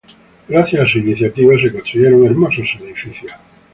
Gracias a su iniciativa se construyeron hermosos edificios.